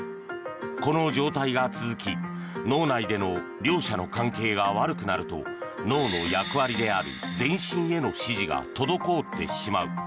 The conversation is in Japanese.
この状態が続き脳内での両者の関係が悪くなると脳の役割である全身への指示が滞ってしまう。